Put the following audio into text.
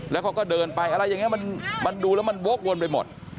แล้วเขาก็เดินไปอะไรอย่างนี้มันดูแล้วมันโว๊ควนไปหมด